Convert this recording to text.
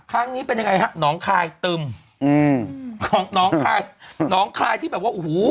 ครั้งนี้เป็นยังไงฮะหนองคายตึมอืมน้องน้องคายน้องคายที่แบบว่าโอ้โห